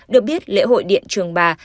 được biết lễ hội điện trường ba